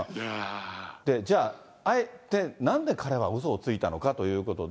じゃあ、なんで、あえて彼はうそをついたのかということで。